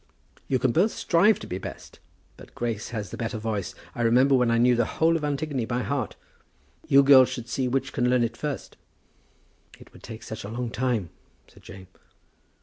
"You can both strive to be best. But Grace has the better voice. I remember when I knew the whole of the Antigone by heart. You girls should see which can learn it first." "It would take such a long time," said Jane.